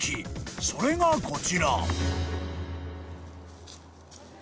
［それがこちら］